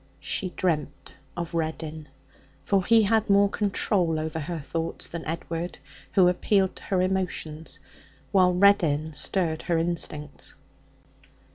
She dreamt of Reddin, for he had more control over her thoughts than Edward, who appealed to her emotions, while Reddin stirred her instincts.